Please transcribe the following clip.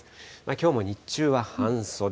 きょうも日中は半袖。